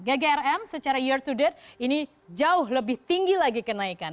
ggrm secara year to date ini jauh lebih tinggi lagi kenaikan